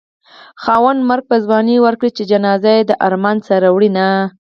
خاونده مرګ په ځوانۍ ورکړې چې جنازه يې د ارمانه سره وړينه